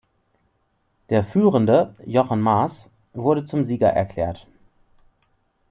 Der Führende, Jochen Mass, wurde zum Sieger erklärt.